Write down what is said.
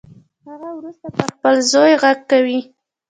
هغه وروسته پر خپل زوی غږ کوي